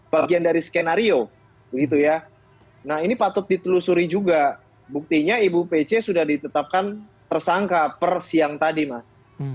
bagian dari skenario begitu ya nah ini patut ditelusuri juga buktinya ibu pc sudah ditetapkan tersangka per siang tadi mas